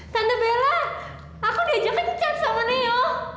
tante bella aku diajak kencan sama neo